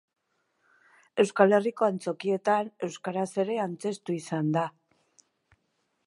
Euskal Herriko antzokietan euskaraz ere antzeztu izan da.